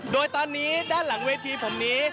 โดยตอนนี้ด้านหลังเวทีผมนี้